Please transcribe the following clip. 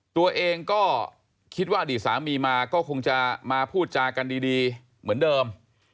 ตัวเองก็คิดว่าอดีตสามีมาก็คงจะมาพูดจากันดีเหมือนเดิม